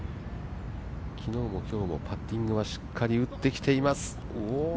昨日も今日もパッティングはしっかり打ってきています、おお。